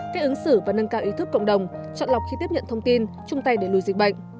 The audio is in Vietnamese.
cách ứng xử và nâng cao ý thức cộng đồng chọn lọc khi tiếp nhận thông tin chung tay để lùi dịch bệnh